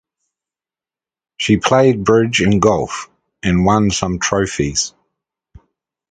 She played bridge and golf, and won some trophies.